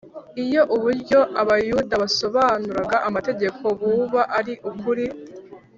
. Iyo uburyo Abayuda basobanuraga amategeko buba ari ukuri,